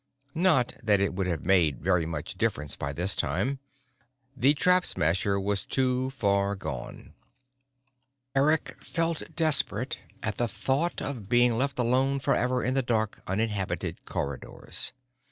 Not that it would have made very much difference by this time. The Trap Smasher was too far gone. Eric felt desperate at the thought of being left alone forever in the dark, uninhabited corridors.